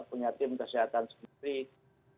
punya tim kesehatan sendiri